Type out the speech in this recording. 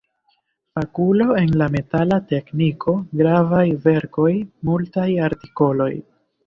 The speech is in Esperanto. Fakulo en la metala tekniko; gravaj verkoj, multaj artikoloj.